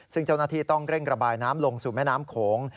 ซึ่งเจ้าหน้าที่ต้องเร่งระบายน้ำลงสู่แม่น้ำโขง